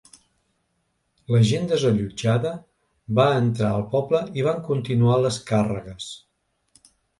La gent desallotjada va entrar al poble i van continuar les càrregues.